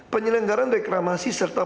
penyelenggaran reklamasi serta